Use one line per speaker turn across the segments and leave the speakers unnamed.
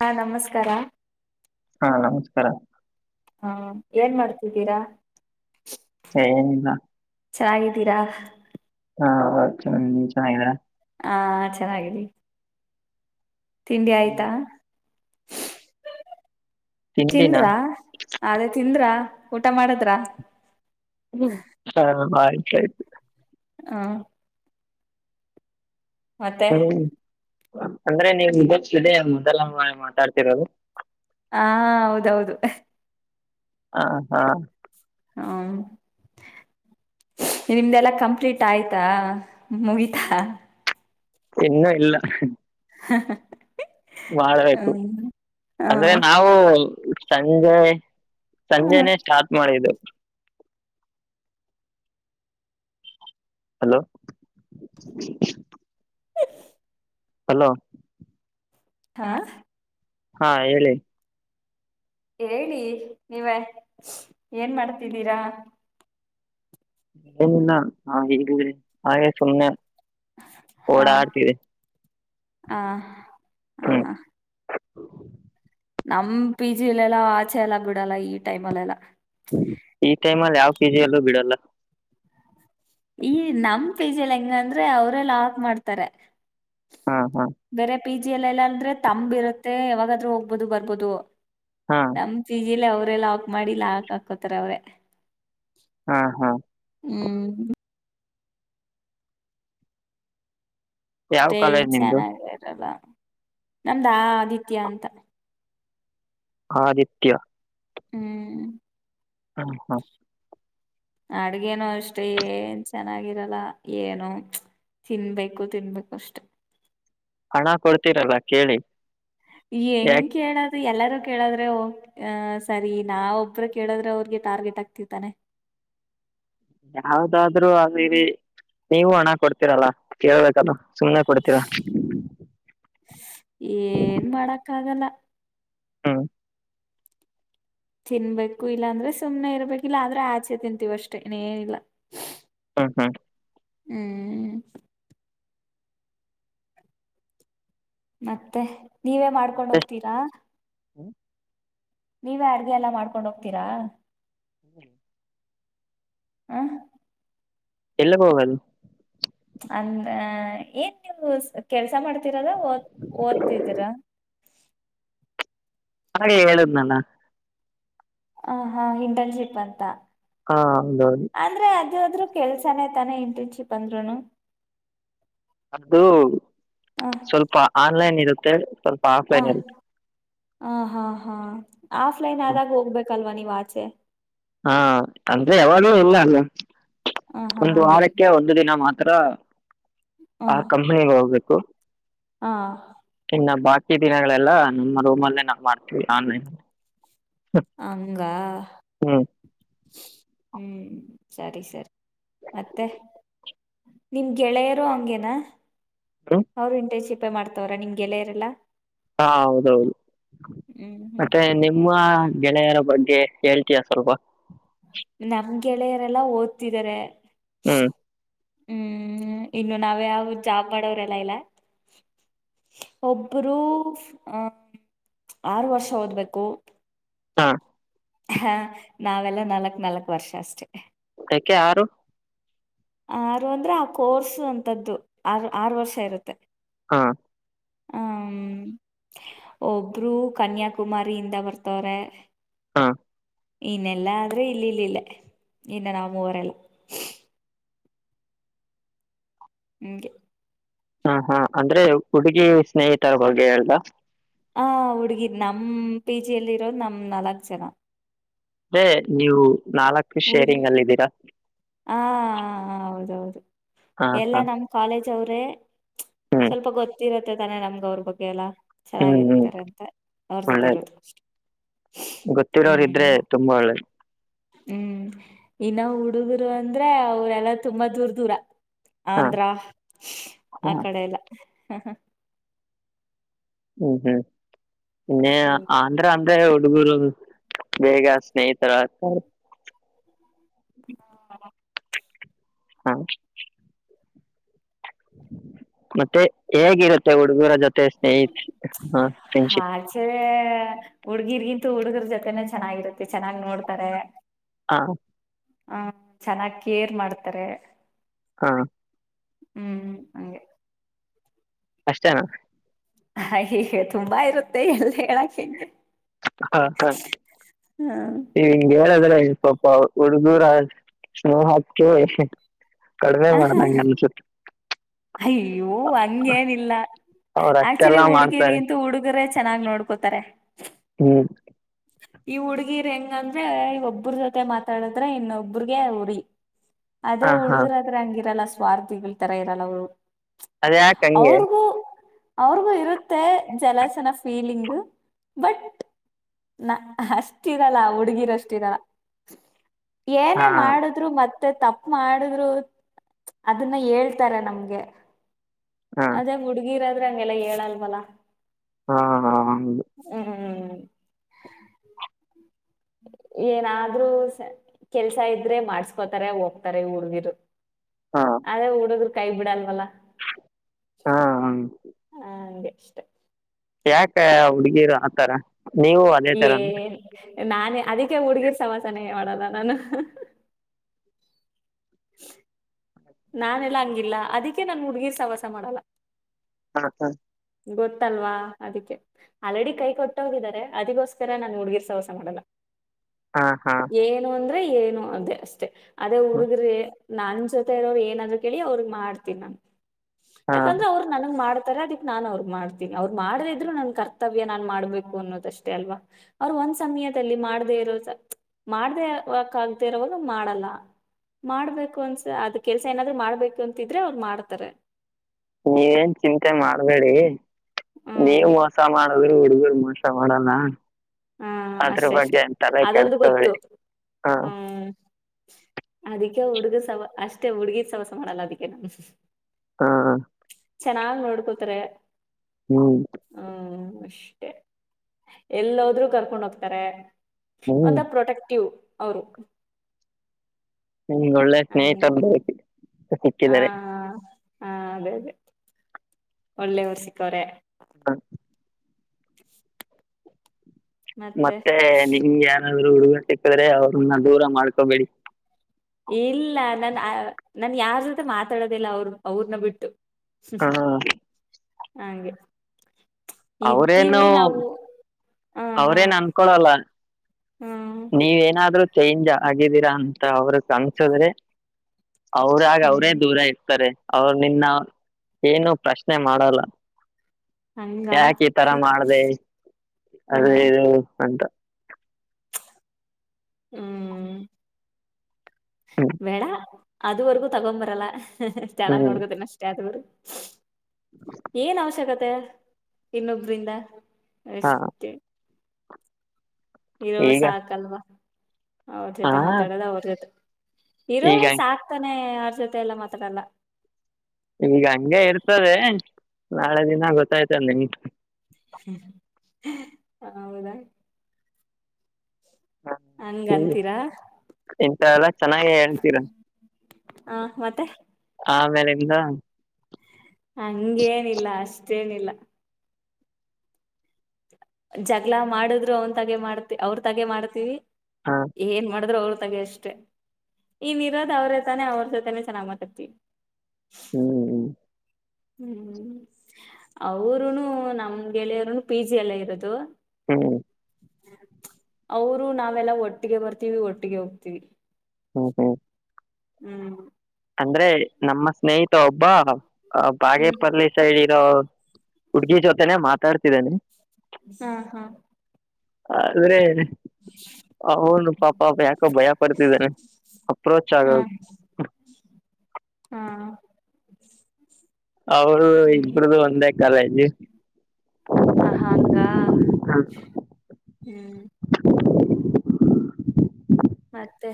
ಹಾ ನಮಸ್ಕಾರ
ಹಾ ನಮಸ್ಕಾರ
ಹಾ ಏನ್ ಮಾಡ್ತಿದ್ದೀರಾ
ಏ, ಏನಿಲ್ಲ
ಚೆನ್ನಾಗಿದ್ದೀರಾ
ಹಾ ಚ ನೀನ್ ಚೆನ್ನಾಗಿದ್ರಾ
ಹಾ ಚೆನ್ನಾಗಿದೆ ತಿಂಡಿ
ಹ್ಮ್.
ಆಯ್ತಾ
ತಿಂಡಿನ
ತಿಂದ್ರಾ ಅದೇ ತಿಂದ್ರ ಊಟ ಮಾಡದ್ರ
ಹಾ ಆಯ್ತಾಯ್ತು
ಹಾ ಮತ್ತೆ
ಹ್ಮ್ ಅಂದ್ರೆ ನೀವು ಮುಗಲಿದೆ [unintelligible] ಮೊದಲ ಮಾತಾಡ್ತಿರೋದು
ಹಾ ಹೌದೌದು
ಹ ಹಾ
ಹ್ಮ ನಿಮ್ದೆಲ್ಲಾ ಕಂಪ್ಲೀಟ್ ಆಯ್ತಾ ಮುಗಿತಾ
ಇನ್ನುೂ ಇಲ್ಲ
ಹ
ಮಾಡಬೇಕು ಅಂದ್ರೆ
ಹ
ನಾವು ಸಂಜೆ ಸಂಜೆನೇ ಸ್ಟಾರ್ಟ್ ಮಾಡಿದ್ದು ಹಲೋ [inaudible] ಹಲೋ
ಹಾ
ಹಾ ಹೇಳಿ
ಹೇಳಿ ನೀವ ಏನ್ ಮಾಡ್ತಿದ್ದೀರಾ
ಆಯೆ [unintelligible] ಸುಮ್ಮೆ
ಹಾ ಹ ಹ
ಹ್ಮ್
ಹಾ ನಮ ಪಿ ಜಿಲೆೆಲ್ಲ ಆಚೆ ಎಲ್ಲ ಬಿಡಲ್ಲ ಈ ಟೈಮ್ಲ್ಲೆಲ್ಲ
ಈ ಟೈಮ್ಲ್ಲಿ ಯಾವ ಪಿಜಿಲ್ಲೂ ಬಿಡಲ್ಲ
ಈ ನಮ್ಮ ಪಿಜಿ ಎಲ್ ಹೆಂಗ ಅಂದ್ರೆ ಅವರೆ ಲಾಕ್ ಮಾಡ್ತಾರೆ
ಹಾ ಹಾ
ಪಿ ಜಿ ಎಲ್ಲ ಎಲ್ಲಾ ಅಂದ್ರೆ ತಂಬ ಇರುತ್ತೆ ಯಾವಾಗಾದ್ರೂ ಹೋಗ್ಬೋದು ಬರ್ಬೋದು
ಹಾ
ನಮ್ ಪಿಜಿಲಿ ಅವ್ರೇ ಲಾಕ್ ಮಾಡಿ ಲಾಕ್ ಹಾಕೋತಾರ ಅವ್ರೆ
ಹಾ ಹಾ
ಹ್ಮ್
ಯಾವ
ಅಷ್ಟೇ
ಕಾಲೇಜ್ ನಿಮ್ದು
ಈಶನ್ರಾರಾಗ [unintelligible] ಇರಲ್ಲ ನಮ್ದಾ ಆದಿತ್ಯ ಅಂತ
ಆದಿತ್ಯ
ಹ್ಮ್.
[inaudible] ಹ್ಮ ಹ್ಮ
ಅಡ್ಗೇನು ಅಷ್ಟೆ ಏನ್ ಚೆನ್ನಾಗಿರಲ್ಲ ಏನು ತಿನ್ಬೇಕು ತಿನ್ಬೇಕು ಅಷ್ಟೆ
ಹಣ ಕೊಡ್ತೀರಲ್ಲ ಕೇಳಿ
ಎಂಗ್
ಯಾಕ್
ಕೇಳಾದ್ ಎಲ್ಲರೂ ಕೇಳದ್ರೆ ಸರಿ ನಾವ ಒಬ್ಬರು ಕೇಳದ್ರೆ ಅವ್ರಿಗೆ ಟಾರ್ಗೆಟ್ ಆಗ್ತಿವಿತ್ತಾನೆ [inaudible]
ಯಾವ್ದಾದ್ರರು ಅಿರಿ [unintelligible] ನೀವು ಹಣ ಕೊಡ್ತೀರಲ್ಲ ಕೇಳ್ಬೇಕದು ಸುಮ್ನೆ ಕೊಡ್ತೀರಾ
ಏನ್ ಮಾಡಕ್ಕ ಆಗಲ್ಲ
ಹಾ
ತಿನ್ಬೇಕು ಇಲ್ಲ ಅಂದ್ರೆ ಸುಮ್ನೆ ಇರ್ಬೇಕಿಲ್ಲ ಆದ್ರೆ ಆಚೆ ತಿಂತೀವ ಅಷ್ಟೇ ಇಂನಿಲ್ಲ
ಹ ಹಾ
ಹ್ಮ್ ಮತ್ತೆ ನೀವೇ ಮಾಡ್ಕೊಂಡ್
ಮತ್ತೆ?
ಹೋಗ್ತೀರಾ. ನೀವೇ ಅಡ್ಗೆ ಎಲ್ಲಾ ಮಾಡ್ಕೊಂಡ್ ಹೋಗ್ತೀರಾ
ಹ್ಮ
ಹಾ
ಎಲ್ಲಿಗ ಹೋಗನ
ಅಂದ ಏನ್ ನಿಮ ಕೆಲ್ಸ ಮಾಡ್ತೀರದ ಓದ ಓದ್ತಿದೀರ
ಹಾಗೆ ಹೇಳುದ್ ನನ್
ಹ ಹಾ ಇಂಟರ್ನ್ಶಿಪ್ ಅಂತ
ಹಾ ಹೌದೌದು
ಾದ್ರು ಕೆಲ್ಸಾನೇ ತಾನೆ ಇಂಟರ್ನ್ಶಿಪ್ ಅಂದ್ರುನು
ಅದು
ಹ
ಸ್ವಲ್ಪ ಆನ್ಲೈನ್ ಇರುತ್ತೆ ಸ್ವಲ್ಪ
ಹ
ಆಫ್ಲೈನ್ ಇರುತ್ತೆ.
ಹ ಹಾ ಹಾ ಆಫ್ಲೈನ್ ಆದಾಗ ಹೋಗ್ಬೇಕಲ್ವ ನೀವ ಆಚೆ
ಹಾ ಅಂದ್ರೆ ಯಾವಾಗೂ ಇಲ್ಲ ಅಲ್ಲ
ಹ ಹಾ
ಒಂದು
ಹಂಗೆ
ವಾರಕ್ಕೆ ಒಂದು ದಿನ ಮಾತ್ರ ಆರ
ಹ
ಆ ಕಂಪನಿಿಗೆ ಹೋಗ್ಬೇಕು
ಹಾ
ಇನ್ನ ಬಾಕಿ ದಿನಗಳೆಲ್ಲಾ ನಮ್ಮ ರೂಮಲ್ಲೇ ನಾವು ಮಾಡ್ತೀವಿ ಆನ್ಲೈನ್
ಹಂಗ
ಹ್ಮ್
ಹ್ಮ್ ಸರಿ ಸರಿ ಮತ್ತೆ ನಿಮ್ ಗೆಳೆಯರು ಹಂಗೇನಾ
ಹ್ಮ್
ಅವ್ರ ಇಂಟೆ ಚಿಪೆ ಮಾಡ್ತವ್ರ ನಿಮ್ಗೆಲ್ಲ ಇರಲ್ಲ
ಹಾ ಹೌದೌದು
ಹ್ಮ್ ಹ್ಮ್
ಮತ್ತೆ ನಿಮ್ಮ ಗೆಳೆಯರ ಬಗ್ಗೆ ಹೇಳ್ತೀಯ ಸ್ವಲ್ಪ
ನಮ್ ಗೆಳೆಯರೆಲ್ಲಾ ಓದ್ತಿದಿದ್ದಾರೆ.
ಹ್ಮ್
ಹ್ಮ್ ಇನ್ನು ನಾವ್ ಯಾವ ಜಾಬ್ ಮಾಡೋರೆಲ್ಲಾ ಇಲ್ಲ ಒಬ್ಬರು ಆಹ ಆರು ವರ್ಷ ಓದ್ಬೇಕು.
ಹಾ
ಹಾ ನಾವೆಲ್ಲಾ ನಾಲ್ಕ್ ನಾಲ್ಕ್ ವರ್ಷ ಅಷ್ಟೇ.
ಯಾಕೆ ಆರು
ಆರು ಅಂದ್ರೆ ಆ ಕೋರ್ಸ್ ಅಂತದ್ದು ಆರ್ ಆರು ವರ್ಷ ಇರುತ್ತೆ.
ಹಾ
ಹ್ಮ ಒಬ್ಬರು ಕನ್ಯಾಕುಮಾರಿಯಿಂದ ಬರ್ತವರೆ
ಹಾ
ಇನ್ನೆಲ್ಲಾ ಆದ್ರೆ ಇಲ್ಲಿ ಇಲ್ಲಿ ಇಲ್ಲ ಇನ್ನ ನಾ ಮೂವರೆಲ್ಲ ನಿಂಗೆ [inaudible]
ಹಾ ಹಾ ಅಂದ್ರೆ ಹುಡುಗಿ ಸ್ನೇಹಿತರ ಬಗ್ಗೆ ಹೇಳ್
ಹ ಹುಡ್ಗಿ ನಮ ಪಿ ಜಿಿಯಲ್ಲಿ ಇರೋದು ನಮ ನಾಲ್ಕ್ ಜನ
ಅೇ ನೀವು ನಾಲ್ಕು
ಹುಡು
ಶೇರಿಂಗ್ ಅಲ್ಲಿದ್ದೀರಾ
ಎಲ್ಲಾ ನಮ್ ಕಾಲೇಜ್ ಅವ್ರೆ
ಹ್ಮ್
ಸ್ವಲ್ಪ ಗೊತ್ತಿರರು ಇ ತಾನೆ ನಮ್ಗ ಅವ್ರ ಬಗ್ಗೆ ಎಲ್ಲ
ಹ್ಮ್ ಹ್ಮ್
ಚೆನ್ನಾಗಿರ್ತಾರೆ ಅಂತ ಅವ್ರ ಜೊತೆ
ಒಳ್ಳೇದು
ಇರೋದು
ಗೊತ್ತಿರೋರ್ ಇದ್ರೆ
ಹ್ಮ್
[inaudible]
ಹ್ಮ್ ಇನ್ನ ಹುಡುಗರು ಅಂದ್ರೆ ಅವರೆಲ್ಲಾ ತುಂಬಾ ದೂರ ದೂರ
ಹಾ
ಆಂಧ್ರ
ಹಾ
ಆ ಕಡೆೆಯ ಎಲ್ಲ
ಹ್ಮ್ ಹ್ಮ್ ಇನ್ನೆ
ಹ್ಮ್
ಆಂಧ್ರ ಅ ಹುಡುಗರು ಬೇಗ ಸ್ನೇಹಿತರಗತರೆ
ಹ
ಹಾ ಮತ್ತೆ ಹೇಗಿರುತ್ತೆ ಹುಡುಗುರ ಜೊತೆ ಸ್ನೇಹಿತ ಹಾ ಫ್ರೆಂಡ್ಶಿಪ್
ಹುಡ್ಗಿರ್ಗಿಂತ ಹುಡ್ಗರ ಜೊತೆನೆ ಚೆನ್ನಾಗಿರುತ್ತೆ ಚೆನ್ನಾಗ್ ನೋಡ್ತಾರೆ
ಹಾ
ಹ್ಮ ಚೆನ್ನಾಗಿ ಕೇರ್ ಮಾಡ್ತಾರೆ
ಹಾ
ಹ್ಮ್ ಹಂಗೆ
ಅಷ್ಟೇನಾ
ಹ ಹೀಗೆ ತುಂಬಾ ಇರುತ್ತೆ ಎಲ್ ಹೇಳಾಕ್ ಹೆಂಗೆ
ಹಾ ಹಾ
ಹ್ಮ್
ನೀ ಹಿಂಗೆ ಹೇಳಿದ್ರೆ ಹೆಂಗ್ ಪಾಪ ಹುಡುಗೂರ ಶ ಹಾಕ್ತ ಕಡಿಮೆ
ಆಹಾ
ಮಾಡದಂಗೆ ಅನ್ಸುತ್ತೆ
ಅಯ್ಯೋ ಹಂಗೇನಿಲ್ಲ
ಅವ್ರ
ಆಕ್ಚುಲಿ
ಅಷ್ಟೆಲ್ಲಾ
ಹುಡುಗಿ
ಮಾಡ್ತಾರೆ
ರಿಗಿಂತೂ ಹುಡುಗರ ಚೆನ್ನಾಗ್ ನೋಡ್ಕೋತಾರೆ
ಹ್ಮ್
ಈ ಹುಡ್ಗಿರ್ ಹೆಂಗಂದ್ರೆ ಇ ಒಬ್ಬ್ರ ಜೊತೆ ಮಾತಾಡದ್ರೆ ಇನ್ನೊಬ್ಬ್ರಗ ಉರಿ ಅದೇ
ಹಾ ಹಾ
ಹುಡುಗರಾದ್ರ ಹಂಗಿರಲ್ಲ ಸ್ವಾರ್ಥಿಗಳ ತರ ಇರಲ್ಲ ಅವ್ರು
ಅದ ಯಾಕಂಗೆ
ಅವ್ರಿಗೂ ಇರುತ್ತೆ ಜಲಸನ ಫೀಲಿಂಗ್ ಬಟ್ ನ ಅಷ್ಟಿರಲ್ಲ ಹುಡುಗಿರಷ್ಟಿರಲ್ಲ
ಹಾ
ಏನೇ ಮಾಡುದ್ರು ಮತ್ತೆ ಮತ್ತೆ ತಪ್ಪು ಮಾಡಿದ್ರು ಅದನ್ನ ಹೇಳ್ತಾರೆ ನಮ್ಗೆ
ಹಾ
ಅದೇ ಹುಡ್ಗಿರಾದ್ರೆ ಹಂಗೆಲ್ಲ ಹೇಳಲ್ವಲ
ಹಾ ಹಾ ಹೌದೂ
ಹ್ಮ್ ಏನಾದ್ರೂ ಕೆಲ್ಸ ಇದ್ರೆ ಮಾಡ್ಸ್ಕೋತಾರೆ ಹೋಗ್ತಾರೆ ಹುಡ್ಗೀರು
ಹಾ
ಅದೇ ಹುಡುಗ್ರು ಕೈ ಬಿಡಲ್ವಲ್ಲ
ಹಾ ಹ
ಅಂಗೆ ಇಷ್ಟೇ
ಯಾಕ ಹುಡ್ಗಿರು ಆತರ ನೀವು ಅದೇ ತರ
ಏನ್ ನಾನೇ ಅದಕ್ಕೆ ಹುಡ್ಗಿರ್ ಸಮವಾಸನ ಮಾಡಲ್ಲ ನಾನು ನಾನೆಲ್ಲ ಹಂಗಿಲ್ಲ ಅದಿಕ್ಕೆ ನಾನು ಹುಡುಗಿರ್ ಸವಾಸ ಮಾಡಲ್ಲ
ಹಾ ಹಾ.
ಗೊತ್ತಲ್ವಾ ಅದಕ್ಕೆ ಆಲ್ರೆಡಿ ಕೈ ಕೊಟ್ಟ ಹೋಗಿದ್ದಾರೆ ಅದಿಗೋಸ್ಕರ ನಾನು ಹುಡ್ಗಿರ್ ಸವಾಸ ಮಾಡಲ್ಲ..
ಹಾ ಹಾ
ಏನು ಅಂದ್ರೆ ಏನು ಅದೇ ಅಷ್ಟೆ ಅದೇ ಹುಡುಗ್ರ.. ನನ್ ಜೊತೆ ಇರೋರು ಏನಾದ್ರು ಕೇಳಿ ಅವ್ರಗ್ ಮಾಡ್ತೀನೀ ನನ್
ಹಾ
ಯಾಕಂದ್ರೆ ಅವ್ರು ನನ್ಗ್ ಮಾಡ್ತಾರ.. ನಾನ್ ಅವ್ರಗೆ ಮಾಡ್ತೀನಿ ಅವ್ರು ಮಾಡ್ದ ಇದ್ರು ನನ್ ಕರ್ತವ್ಯ ನಾನ್ ಮಾಡ್ಬೇಕು ಅನ್ನೋದಷ್ಟೇ ಅಲ್ವ ಅವರು ಒಂದ್ ಸತಿ.. ಮಾಡ್ದೇ ಇರೋ ಮಾಡ್ದೇಕ್ ಆಗದೆ ಇರೋವಾಗ ಮಾಡಲ್ಲ... ಮಾಡ್ಬೇಕು ಅನ್ಸ ಅದ ಕೆಲ್ಸ ಏನಾದ್ರು ಮಾಡ್ಬೇಕು ಅಂತಿದ್ರೆ ಅವ್ರ ಮಾಡ್ತಾರೆ..
ನೀವೇನ್ ಚಿಂತೆ ಮಾಡ್ಬೇಡಿ
ಹ್ಮ್
ನೀವ್ ಮೋಸ ಮಾಡ.. ಅವ್ರ ಹುಡ್ಗರು ಮೋಸ ಮಾಡೋಲ್ಲ...
ಹಾ
ಅದ್ರ
ಅಷ್ಟೇ
ಬಗ್ಗೆ
ಅಷ್ಟೇ
ಎಂತಲೇ
ಅದೊಂದು
ಕೆಡಿಸು ಕೊಬೇಡಿ
ಗೊತ್ತು
ಹ್ಮ...
ಹ್ಮ್ ಅದಕ್ಕೆ ಹುಡ್ಗ ಸವ ಅಷ್ಟೇ ಹುಡ್ಗಿ ಸವಾಸ ಮಾಡಲ್ಲ ಅದಕ್ಕೆ ನಾನು....
ಹಾ
ಚೆನ್ನಾಗ್ ನೋಡ್ಕೋತಾರೆ..
ಹ್ಮ್.
ಎಲ್ಲೋದ್ರುಕರ್ಕೊಂಡ ಹೋಗ್ತಾರೆ ಅಂತ
ಹ್ಮ್
ಪ್ರೊಟೆಕ್ಟಿವ್... ಅವರು...
ನಿಮ್ಗೆ ಒಳ್ಳೆ ಸ್ನೇಹಿತ
ಹ್ಮ್ ಹಾ
ಸಿಕ್ಕಿದ್ದಾರೆ..
ಹಾ ಅದೇ ಅದೇ ಒಳ್ಳೆವರ್ ಸಿಕ್ಕವರೆ..
ಹ್ಮ.. ಮತ್ತೆ ನಿಮ್ಗೆ ಯಾರಾದ್ರು ಹುಡುಗನ್ ಸಿಕ್ಕದ್ರೆ ಅವ್ರನ್ನ ದೂರ ಮಾಡ್ಕೊಬೇಡಿ...
ಇಲ್ಲ ನನ್ ಆ ನನ್ ಯಾರ್ ಜೊತೆ ಮಾತಾಡೋದಿಲ್ಲ ಅವರು ಅವ್ರನ್ನ ಬಿಟ್ಟು...
ಹಾ..
ಹಾಗೆ
ಅವ್ರೇನು
ಇದ್ದೀವಿ ನಾವು... ಹ ಹಾ
ಅವ್ರೇನ್ ಅನ್ಕೊಳಲ್ಲ
ಹ್ಮ್
ನೀವೇನಾದ್ರರು... ಚೇಂಜ್ ಆಗಿದ್ದೀರಾ ಅಂತ ಅವರು ಅನಿಸಿದರೆ.. ಅವ್ರಾಗ ಅವ್ರೇ
ಹ್ಮ್
ದೂರ ಇರ್ತಾರೆ ಅವ್ರ ನಿನ್ನ ಏನು ಪ್ರಶ್ನೆ ಮಾಡಲ್ಲ...
ಹಂಗ
ಯಾಕೆ ಈ ತರ ಮಾಡ್ದ
ಹ್ಮ
ಅದು ಇದು.. ಎಂತ..
ಹ್ಮ್..
ಹ್ಮ್
ಬೇಡ ಅದುವರೆಗೂ ತಗೊ್ಂಬರಲ್ಲ ಚೆನ್ನಾಗಿ್
ಹ್ಮ್
ನೋಡಿಕೊಳಿತನೆ ಅಷ್ಟೇ ಅದುವರ್ಗೂ.. ಏನ್ ಅವಶ್ಯಕತೆ ಇನ್ನೊಬ್ರಿಂದ
ಹಾ
ಅಷ್ಟೇ.. ಇರೋರು
ಈಗ
ಸಾಕಲ್ವಾ.. ಅವ್ರ
ಹಾ
ಜೊತೆ ಮಾತಾಡೋದ ಅವ್ರ ಜೊತೆ ಇರೋ್ರ
ಈಗ
ಸಾಕ್ತಾನೆ... ಯಾರ ಜೊತೆ ಎಲ್ಲ ಮಾತ್ರ ಅಲ್ಲ..
ಈಗ ಹಂಗೆ ಇರ್ತದೆ ನಾಳೆ ದಿನ ಗೊತ್ತಾಯ್ತಲ್ಲ ನಿಮಗೆ...
ಹೌದಾ..
ಹ ಹ್ಮ
ಹಂಗಂತೀರಾ
ಎಂತ ಎಲ್ಲ ಚೆನ್ನಾಗೇ ಹೇಳ್ತೀರ...
ಹಾ ಮತ್ತೆ..
ಆಮೇಲೆ ಇಂದ..
ಹಂಗೇನಿಲ್ಲ ಅಷ್ಟೇನಿಲ್ಲ... ಜಗ್ಗಳಾ ಮಾಡಿದ್ರು ಅವನ್ ತಾಗೆ ಮಾಡ್ತಿ ಅವ್ರ ತಾಗೆ ಮಾಡ್ತೀವಿ
ಹಾ
ಏನ್ ಮಾಡಿದ್ರು ಅವ್ರ... ಅವರ್ತಾಗೆ ಅಷ್ಟೇ ಇನ್ನೂ ಇರೋದು ಅವ್ರತಾನೆ ಅವ್ರ ಜೊತೆನೆ ಚೆನ್ನಾಗ್ ಮಾತಾಡ್ತೀವಿ ಅಷ್ಟೇ.
ಹ್ಮ್ ಹ್ಮ್..
ಹ್ಮ್ ಅವರುೂನು ನಮ್ ಗೆಳೆಯರುನು ಪಿ ಜಿ ಎಲ್ಲ ಇರೋದು..
ಹ್ಮ..
ಅವರು ನಾವೆಲ್ಲ ಒಟ್ಟಿಗೆ ಬರ್ತೀವಿ ಒಟ್ಟಿಗೆ ಹೋಗ್ತಿೀವಿ..
ಹ್ಮ್ ಹ್ಮ್..
ಹ್ಮ್..
ಅಂದ್ರೆ ನಮ್ಮ ಸ್ನೇಹಿತ ಒಬ್ಬ
ಹ್ಮ್
ಬಾಗೇಪಲ್ಲಿ ಸೈಡ್ ಇರೋ.. ಹುಡ್ಗಿ ಜೊತೆನೆ ಮಾತಾಡುತೈದನೆ....
ಹಾ ಹಾ
ಆದ್ರೆ
ಹ
ಹೌನು ಪಾಪ ಯಾಕೋ ಭಯ ಪಡ್ತಿದ್ದನೆ ಅಪ್ರೋಚ್
ಹಾ
ಆಗದು
ಹಾ
ಅವರು
ಹಂಗ
ಇಬ್ಬರದೂ ಒಂದೇ ಕಾಲೇಜ್
ಹ ಹಂಗ ಹ್ಮ್ ಮತ್ತೆ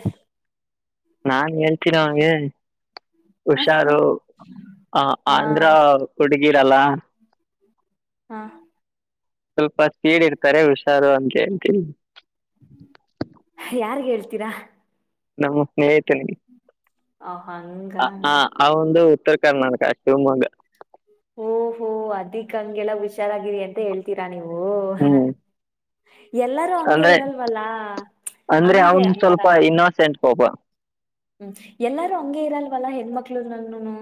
ನಾನ್ ಹೇಳ್ತೀನ ಅವನಿಗೆ
ಹ ಹ
ಹುಷಾರು ಅ ಆಂಧ್ರ
ಹಾ
ಹುಡುಗಿರಲ್ಲ
ಹಾ
ಸ್ವಲ್ಪ ಸ್ಪೀಡ್ ಇರ್ತಾರೆ ಹುಷಾರು ಅಂತ ಅಂತಿ
ಯಾರ್ ಹೇಳ್ತೀರಾ
ನಮ್ಮ ಸ್ನೇಹಿತನಗೆ
ಹ ಹಂಗ
ಹ ಅವೊಂದು ಉತ್ತರ ಕರ್ನಾಟಕ ಶಿವಮೊಗ್ಗ
ಓ ಹೋ ಅದಿಕ್ ಹಂಗೆಲ್ಲ ಹುಷಾರಾಗಿರಿ ಅಂತ ಹೇಳ್ತೀರಾ ನೀವು
ಹ್ಮ್
ಎಲ್ಲಾರೂ ಹಂಗೆ
ಅಂದ್ರೆ
ಇರಲ್ವಲ್ಲಾ ಹಂಗೆ ಅಂಗಾರ
ಒಬ್ಬ
ಹ್ಮ್ ಎಲ್ಲಾರು ಹಂಗಗೆ ಇರಲ್ವಲ್ಲಾ ಹೆಣ್ಮಕ್ಳೂನೂನು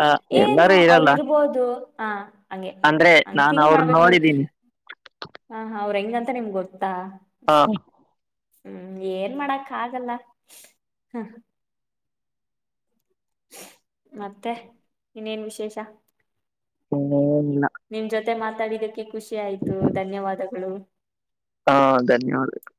ಆ
ಏನು
ಎಲ್ಲರೂ
ಅವರು
ಇರಲ್ಲ
ಇರ್ಬೋದು ಹಾ ಹಂಗೆ
ಅಂದ್ರೆ ನಾನು
ಥಿಂಕ್
ಅವ್ರನ್ನ
ಮಾಡಬೇಕು ನೀವ್ ಮಾಡ್ಬೇಕು ನೀವು
ನೋಡಿದ್ದೀನಿ
ಹ ಅವ್ರ ಹೆಂಗಂತ ನಿಮ್ಗೆ ಗೊತ್ತು ಹಾ
ಆ
ಅಷ್ಟೇ ಹ್ಮ್ ಏನ್ ಮಾಡಕ್ ಆಗಲ್ಲ ಮತ್ತೆ ಇನ್ನೇನ್ ವಿಶೇಷ
ಹ ಇಲ್ಲ
ನಿಮ್ ಜೊತೆ ಮಾತಾಡಿದಕ್ಕೆ ಖುಷಿ ಆಯ್ತು ಧನ್ಯವಾದಗಳು
ಹಾ ಧನ್ಯವಾದಗಳು